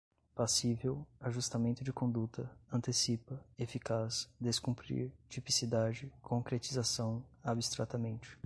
passível, ajustamento de conduta, antecipa, eficaz, descumprir, tipicidade, concretização, abstratamente